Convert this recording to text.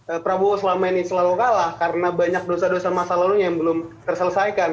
karena prabowo selama ini selalu kalah karena banyak dosa dosa masa lalu yang belum terselesaikan